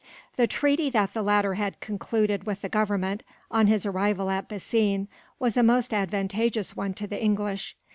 The treaty that the latter had concluded with the Government, on his arrival at Bassein, was a most advantageous one to the English.